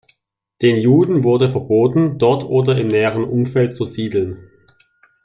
Den Juden wurde verboten, dort oder im näheren Umfeld zu siedeln.